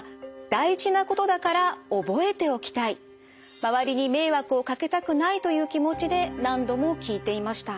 周りに迷惑をかけたくないという気持ちで何度も聞いていました。